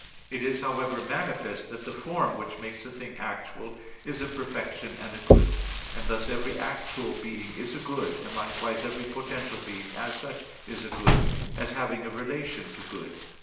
It is, however, manifest that the form which makes a thing actual is a perfection and a good; and thus every actual being is a good; and likewise every potential being, as such, is a good, as having a relation to good.